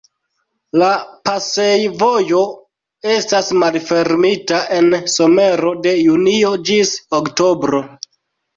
La pasejvojo estas malfermita en somero de junio ĝis oktobro.